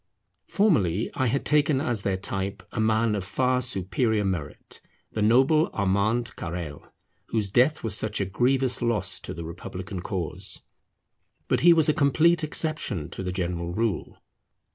Formerly I had taken as their type a man of far superior merit, the noble Armand Carrel, whose death was such a grievous loss to the republican cause. But he was a complete exception to the general rule.